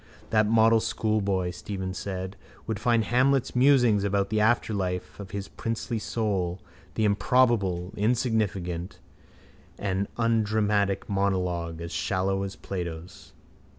—That model schoolboy, Stephen said, would find Hamlet's musings about the afterlife of his princely soul, the improbable, insignificant and undramatic monologue, as shallow as Plato's.